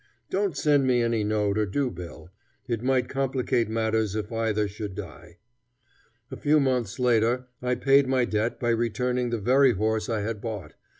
Don't send any note or due bill. It might complicate matters if either should die." A few months later, I paid my debt by returning the very horse I had bought.